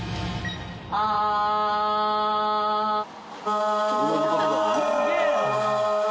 ああ。